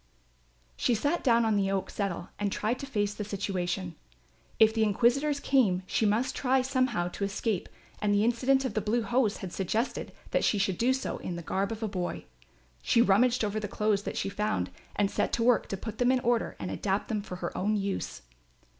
She sat down on the oak settle and tried to face the situation. If the inquisitors came she must try somehow to escape and the incident of the blue hose had suggested that she should do so in the garb of a boy. She rummaged over the clothes that she found and set to work to put them in order and adapt them for her own use.